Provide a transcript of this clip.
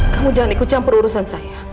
kamu jangan ikut campur urusan saya